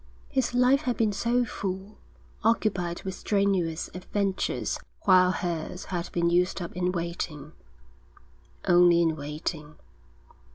His life had been so full, occupied with strenuous adventures, while hers had been used up in waiting, only in waiting.